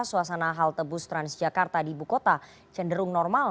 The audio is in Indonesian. suasana halte bus transjakarta di ibu kota cenderung normal